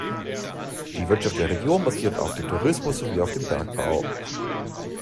Die Wirtschaft der Region basiert auf dem Tourismus sowie auf dem Bergbau.